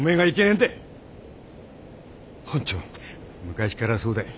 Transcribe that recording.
昔からそうだい。